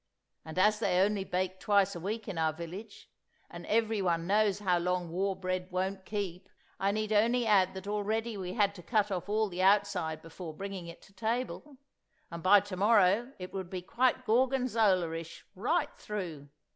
And as they only bake twice a week in our village, and everyone knows how long war bread won't keep, I need only add that already we had to cut off all the outside before bringing it to table, and by to morrow it would be quite gorgonzola ish right through!